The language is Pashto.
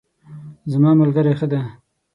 زما ملګری ښه ده